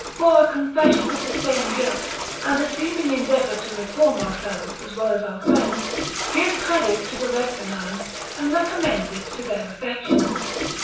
For a confession of the same guilt, and a seeming endeavor to reform ourselves as well as our friends, gives credit to the reprimand and recommends it to their affections.